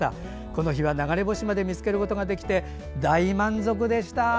この日は流れ星まで見つけて大満足でした。